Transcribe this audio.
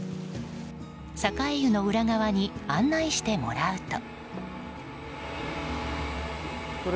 栄湯の裏側に案内してもらうと。